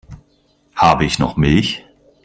Habe ich noch Milch?